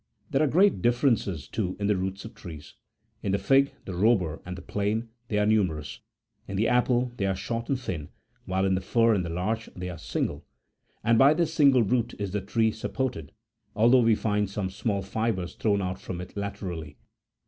There are great differences, too, in the roots of trees. In the fig, the robur, and the plane, they are numerous ; in the apple they are short and thin, while in the fir and the larch they are single ; and by this single root is the tree supported, al though we find some small fibres thrown out from it laterally.